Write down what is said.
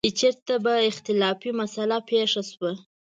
چې چېرته به اختلافي مسله پېښه شوه.